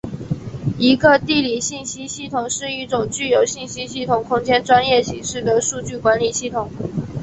一个地理信息系统是一种具有信息系统空间专业形式的数据管理系统。